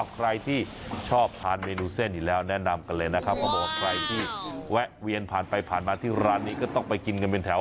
ใครที่ชอบทานเมนูเส้นอยู่แล้วแนะนำกันเลยนะครับเขาบอกว่าใครที่แวะเวียนผ่านไปผ่านมาที่ร้านนี้ก็ต้องไปกินกันเป็นแถว